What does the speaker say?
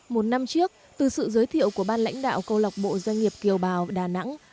một năm trước từ sự giới thiệu của ban lãnh đạo câu lọc bộ doanh nghiệp kiều bào đà nẵng